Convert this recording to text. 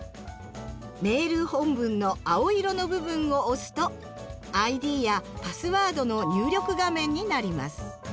メール本文の青色の部分を押すとＩＤやパスワードの入力画面になります。